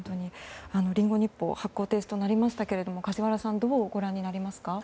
リンゴ日報発行停止となりましたけども梶原さんはどうご覧になりますか？